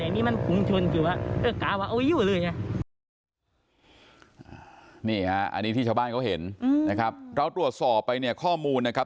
นี่ฮะอันนี้ที่ชาวบ้านเขาเห็นนะครับเราตรวจสอบไปเนี่ยข้อมูลนะครับ